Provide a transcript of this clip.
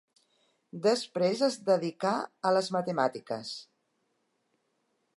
Després es dedicà a les matemàtiques.